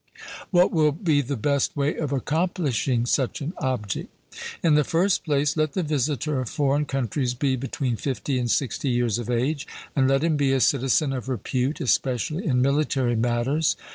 'What will be the best way of accomplishing such an object?' In the first place, let the visitor of foreign countries be between fifty and sixty years of age, and let him be a citizen of repute, especially in military matters.